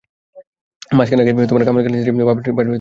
মাস খানেক আগে কামাল খানের স্ত্রী বাপের বাড়ি শ্রীমঙ্গলে চলে আসেন।